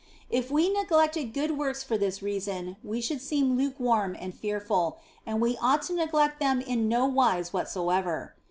If we neglected good works for this reason we should seem lukewarm and fearful, and we ought to neglect them in no wise whatso ever.